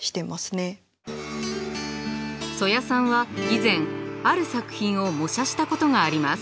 曽谷さんは以前ある作品を模写したことがあります。